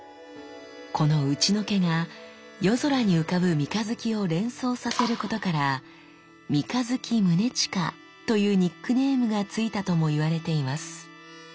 この打除けが夜空に浮かぶ三日月を連想させることから三日月宗近というニックネームが付いたとも言われています。